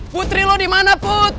putri lo dimana put